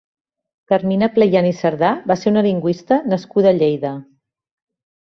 Carmina Pleyan i Cerdà va ser una lingüista nascuda a Lleida.